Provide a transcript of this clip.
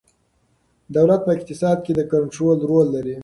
دولت په اقتصاد کې د کنترول رول لري.